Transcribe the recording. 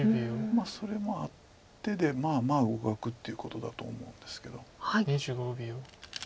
それもあってでまあまあ互角ということだと思うんですけど。